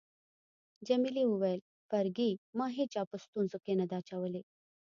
جميلې وويل: فرګي، ما هیچا په ستونزو کي نه ده اچولی.